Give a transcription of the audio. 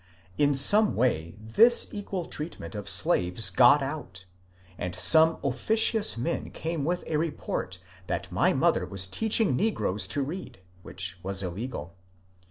In some way this equal treatment of slaves got out, and some officious men came with a report that my mother was teaching negroes to read, which was illegal.